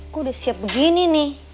kok udah siap begini nih